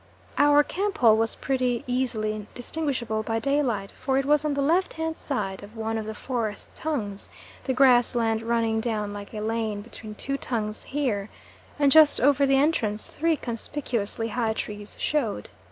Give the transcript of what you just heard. Our camp hole was pretty easily distinguishable by daylight, for it was on the left hand side of one of the forest tongues, the grass land running down like a lane between two tongues here, and just over the entrance three conspicuously high trees showed.